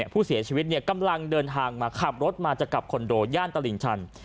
ผู้เสียชีวิตกำลังเดินทางมาขับรถมาจะกลับคอนโดย่านตลิ่งชัน